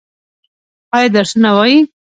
ایا درسونه وايي؟